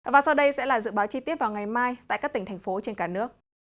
và sau đây sẽ là dự báo chi tiết vào ngày mai tại các tỉnh thành phố trên cả nước